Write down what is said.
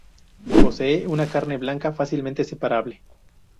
Posee una carne blanca, fácilmente separable.